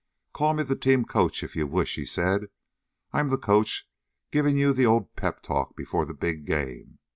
"Call me the team coach, if you wish," he said. "I'm the coach giving you the old pep talk before the big game.